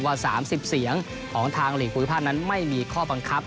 ว่า๓๐เสียงของทางหลีกภูมิภาคนั้นไม่มีข้อบังคับ